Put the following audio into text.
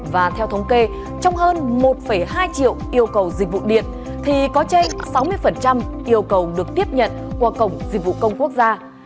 và theo thống kê trong hơn một hai triệu yêu cầu dịch vụ điện thì có trên sáu mươi yêu cầu được tiếp nhận qua cổng dịch vụ công quốc gia